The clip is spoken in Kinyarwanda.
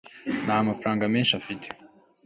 nta mafaranga menshi afite